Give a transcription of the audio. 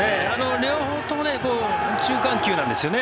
両方とも中間球なんですよね。